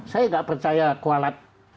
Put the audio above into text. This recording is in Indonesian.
saya nggak percaya kualat